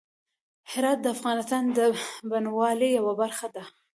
هرات د افغانستان د بڼوالۍ یوه برخه ده.